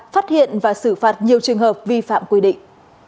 phát hiện và xử phạt nhiều trường hợp vi phạm quy định